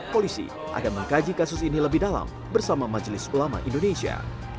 polisi akan mengkaji kasus ini lebih dalam bersama majelis ulama indonesia